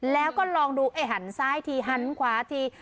แล้วก็ลองดูหันซ้ายทีหันขวาที